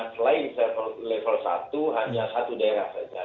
selain level satu hanya satu daerah saja